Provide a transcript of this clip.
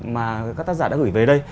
mà các tác giả đã gửi về đây